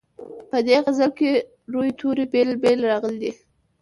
په دې غزل کې روي توري بېل بېل راغلي.